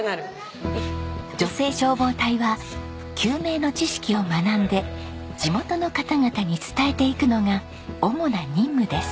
女性消防隊は救命の知識を学んで地元の方々に伝えていくのが主な任務です。